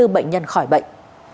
ba mươi bốn bệnh nhân khỏi bệnh